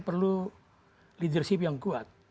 perlu leadership yang kuat